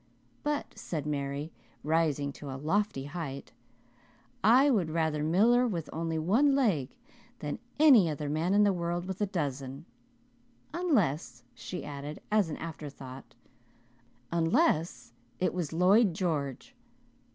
But," said Mary, rising to a lofty height, "I would rather Miller with only one leg than any other man in the world with a dozen unless," she added as an after thought, "unless it was Lloyd George.